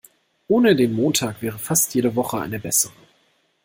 Ohne den Montag wäre fast jede Woche eine bessere.